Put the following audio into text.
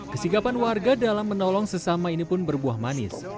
kesigapan warga dalam menolong sesama ini pun berbuah manis